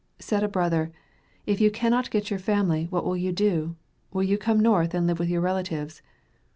Said a brother, "If you cannot get your family, what will you do? Will you come North and live with your relatives?"